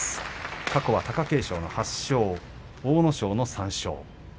過去は貴景勝８勝阿武咲の３勝。